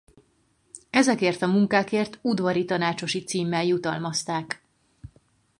Ezekért a munkákért udvari tanácsosi címmel jutalmazták.